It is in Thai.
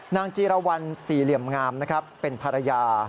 นางจีรวรรณศรีเหลี่ยมงามเป็นภรรยา